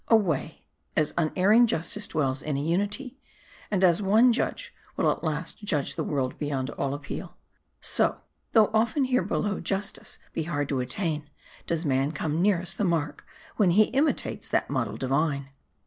" Away ! As unerring justice dwells in a unity, and as one judge will at last judge the world beyond all appeal ; so though often here below justice be hard to attain does man come nearest the mark, when he imitates that model divine.